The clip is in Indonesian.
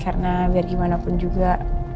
karena biar gimana pun juga